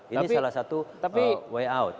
ini salah satu way out